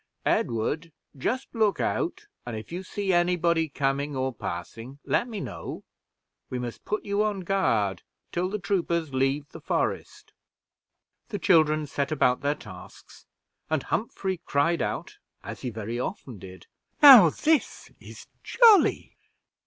Edward, just look out, and if you see any body coming or passing, let me know. We must put you on guard till the troopers leave the forest." The children set about their tasks, and Humphrey cried out, as he very often did, "Now, this is jolly!"